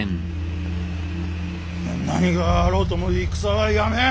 何があろうとも戦はやめん！